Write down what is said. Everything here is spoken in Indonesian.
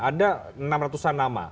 ada enam ratusan nama